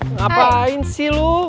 ngapain sih lu